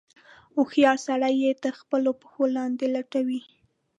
هوښیار سړی یې تر خپلو پښو لاندې لټوي.